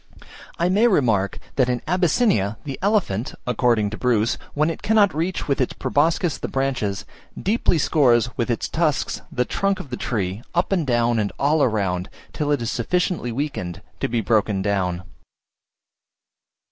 I may remark, that in Abyssinia the elephant, according to Bruce, when it cannot reach with its proboscis the branches, deeply scores with its tusks the trunk of the tree, up and down and all round, till it is sufficiently weakened to be broken down.